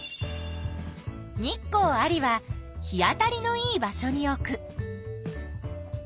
「日光あり」は日当たりのいい場所に置く。